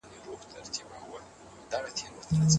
تاسي د Adobe Illustrator په نمونه کي ډېر غښتلي یاست.